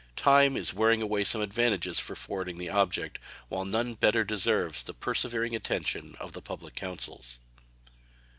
Time is wearing away some advantages for forwarding the object, while none better deserves the persevering attention of the public councils.